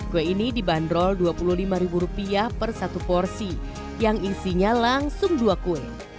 kue ini dibanderol rp dua puluh lima per satu porsi yang isinya langsung dua kue